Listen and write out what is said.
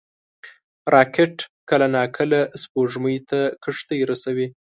راکټ کله ناکله سپوږمۍ ته کښتۍ رسوي